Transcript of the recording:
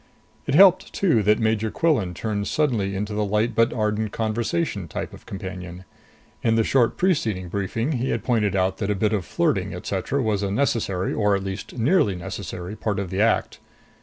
It helped, too, that Major Quillan turned suddenly into the light but ardent conversation type of companion. In the short preceding briefing he had pointed out that a bit of flirting, etc., was a necessary, or at least nearly necessary, part of the act.